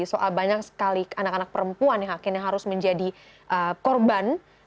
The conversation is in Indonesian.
soal banyak sekali anak anak perempuan yang harus menjadi korban di sini